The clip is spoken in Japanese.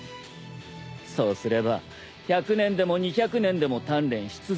そうすれば１００年でも２００年でも鍛錬し続けられる。